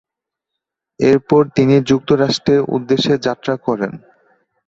এরপর তিনি যুক্তরাষ্ট্রের উদ্দেশ্যে যাত্রা করেন।